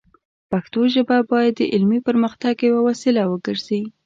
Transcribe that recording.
پښتو ژبه باید د علمي پرمختګ یوه وسیله وګرځي.